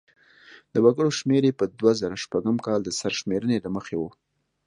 د وګړو شمېر یې په دوه زره شپږم کال د سرشمېرنې له مخې و.